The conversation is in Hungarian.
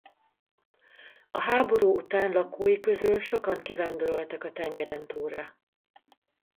A háború után lakói közül sokan kivándoroltak a tengerentúlra.